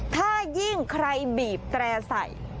ถ้ายิ่งใครบีบแตร่ใส่